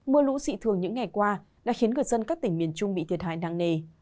mưa lũ dị thường những ngày qua đã khiến người dân các tỉnh miền trung bị thiệt hại nặng nề